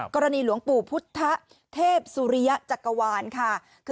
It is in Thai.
กรณีหลวงปู่พุทธเทพสุริยะจักรวาลค่ะ